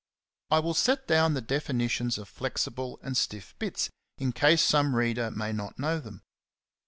54 I will set down the definitions of flexible and stiff bits, in case some reader may not know them.